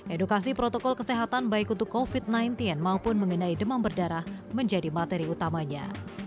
edukasi protokol kesehatan baik untuk covid sembilan belas maupun mengenai demam berdarah menjadi materi utamanya